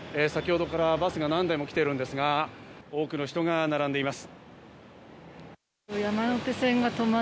バスが何台もきているんですが、多くの人が並んでいます。